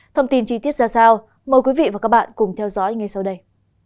thông tin chi tiết ra sao mời quý vị và các bạn cùng theo dõi ngay sau đây